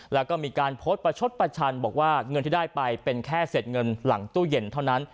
แล้วก็มีการโพสต์ประชดประชันบอกว่าเงินที่ได้ไปเป็นแค่เสร็จเงินหลังตู้เย็นเท่านั้น